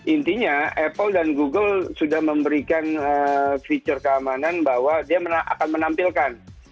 intinya apple dan google sudah memberikan feature keamanan bahwa dia akan menampilkan